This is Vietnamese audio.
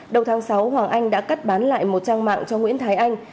đầu tháng sáu hoàng anh đã cắt bán lại một trang mạng cho nguyễn thái anh